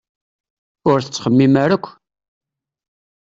Ur tettxemmim ara akk!